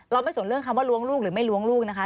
ไม่สนเรื่องคำว่าล้วงลูกหรือไม่ล้วงลูกนะคะ